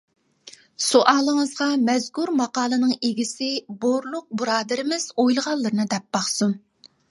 سوئالىڭىزغا مەزكۇر ماقالىنىڭ ئىگىسى بورلۇق بۇرادىرىمىز ئويلىغانلىرىنى دەپ باقسۇن.